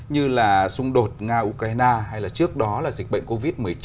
như là xung đột nga ukraine hay là trước đó là dịch bệnh covid một mươi chín